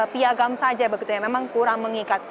piagam saja begitu ya memang kurang mengikat